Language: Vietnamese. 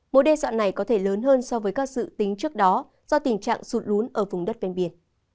mối đe dọa này có thể lớn hơn so với các dự tính trước đó do tình trạng sụt lún ở vùng đất ven biển